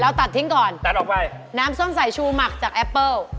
ตัดทิ้งก่อนตัดออกไปน้ำส้มสายชูหมักจากแอปเปิ้ล